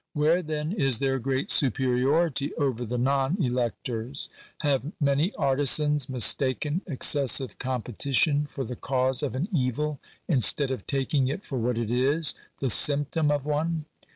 Where, then, is their great superiority over the non electors ? Have many artizans mistaken excessive competition for the cause of an evil, instead of taking it for what it is — the symptom of one?